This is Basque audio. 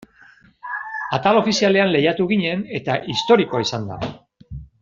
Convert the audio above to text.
Atal ofizialean lehiatu ginen eta historikoa izan da.